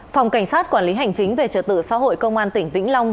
phòng cảnh sát quản lý hành chính về trợ tự xã hội công an tỉnh vĩnh lạc